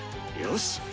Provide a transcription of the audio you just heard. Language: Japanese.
よし！